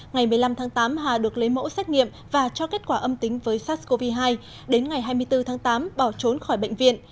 ngày một mươi năm tháng tám hà được lấy mẫu xét nghiệm và cho kết quả âm tính với sars cov hai đến ngày hai mươi bốn tháng tám bỏ trốn khỏi bệnh viện